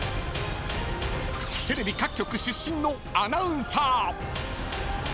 テレビ各局出身のアナウンサー。